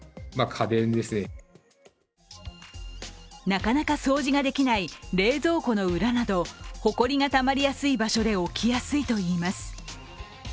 なかなか掃除ができない冷蔵庫の裏などほこりがたまりやすい場所で起きやすいといいます。